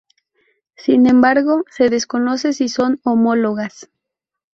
Sin embargo, se desconoce si son homólogas.